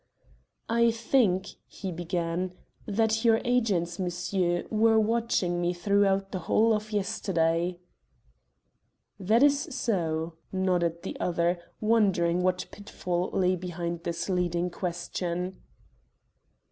"I think," he began, "that your agents, monsieur, were watching me throughout the whole of yesterday." "That is so," nodded the other, wondering what pitfall lay behind this leading question.